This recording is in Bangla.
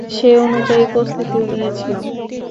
সে অনুযায়ী প্রস্তুতিও নিয়েছিলাম।